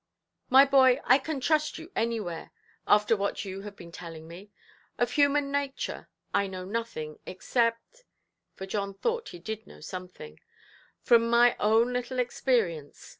"My boy, I can trust you anywhere, after what you have been telling me. Of human nature I know nothing, except"—for John thought he did know something—"from my own little experience.